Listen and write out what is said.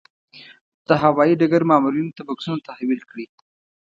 د هوايي ډګر مامورینو ته بکسونه تحویل کړي.